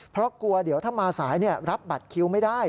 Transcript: เพราะกลัวเดี๋ยวถ้ามาสายรับบัตรคิวไม่ได้